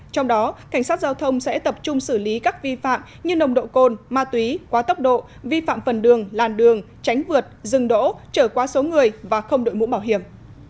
trong đó cảnh sát giao thông sẽ tập trung xử lý các vi phạm như nồng độ cồn ma túy quá tốc độ vi phạm phần đường làn đường tránh vượt dừng đỗ trở qua số người và không đội mũ bảo hiểm